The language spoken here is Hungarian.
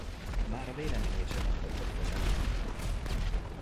Már a véleményét se mondhatja meg az ember!